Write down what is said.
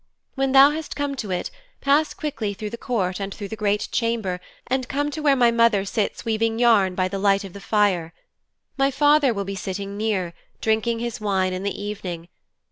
When thou hast come to it, pass quickly through the court and through the great chamber and come to where my mother sits weaving yarn by the light of the fire. My father will be sitting near, drinking his wine in the evening.